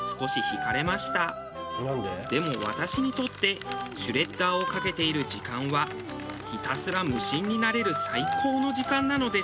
でも私にとってシュレッダーをかけている時間はひたすら無心になれる最高の時間なのです。